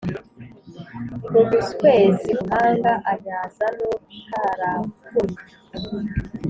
Umuswezi w’umuhanga anyaza n’utarakunnye.